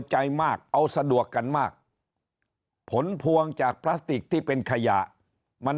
ใจมากเอาสะดวกกันมากผลพวงจากพลาสติกที่เป็นขยะมัน